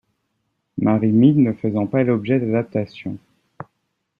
Mary Mead ne faisant pas l'objet d'adaptations.